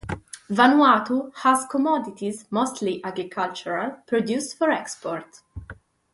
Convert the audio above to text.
Vanuatu has commodities, mostly agricultural, produced for export.